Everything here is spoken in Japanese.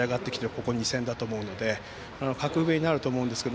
ここ２戦だと思うので格上になると思うんですけど